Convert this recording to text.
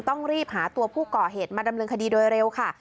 ต้องรีบหาตัวผู้ก่อเหตุมาดำเนินคดีโดยเร็วค่ะ